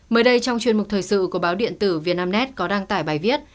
mới đây trong chuyên mục thời sự của báo điện tử vnet có đăng tải bài viết